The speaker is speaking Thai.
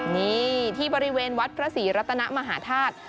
นี่ที่บริเวณวัดพระศรีรัตนมหาธาตุ